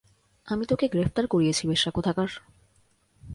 আমি তোকে গ্রেফতার করিয়েছি বেশ্যা কোথাকার।